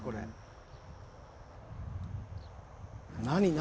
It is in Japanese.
何？